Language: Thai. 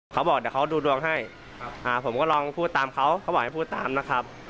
เขาบอกเดี๋ยวเขาดูดวงให้ผมก็ลองพูดตามเขาเขาบอกให้พูดตามนะครับ